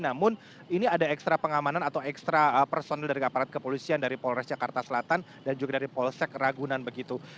namun ini ada ekstra pengamanan atau ekstra personil dari aparat kepolisian dari polres jakarta selatan dan juga dari polsek ragunan begitu